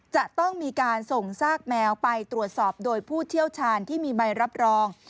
จะต้องมีการส่งซากแมวไปตรวจสอบโดยผู้เชี่ยวชาญที่มีใบรับรอง